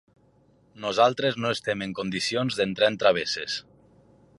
Nosaltres no estem en condicions d’entrar en travesses.